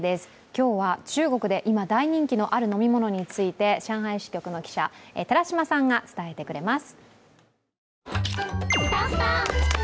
今日は、中国で今、大人気のある飲み物について上海支局の記者、寺島さんが伝えてくれます。